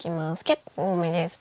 結構多めです。